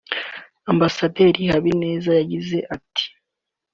Ambasaderi Habineza yagize ati